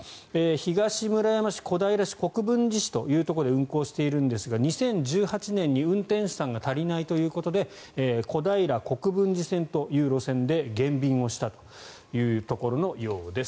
東村山市、小平市国分寺市というところで運行しているんですが２０１８年に、運転手さんが足りないということで小平国分寺線という路線で減便をしたというところのようです。